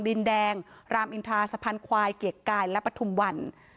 ดินแดงรามอินทราสะพานควายเกียรติกายและปฐุมวัน